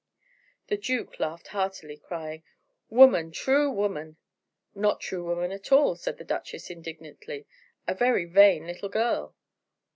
The duke laughed heartily, crying: "Woman, true woman!" "Not true woman at all," said the duchess, indignantly, "a very vain little girl."